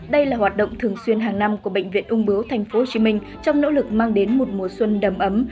đây là hoạt động thường xuyên hàng năm của bệnh viện ung bướu tp hcm trong nỗ lực mang đến một mùa xuân đầm ấm